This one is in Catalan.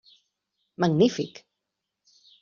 Magnífic!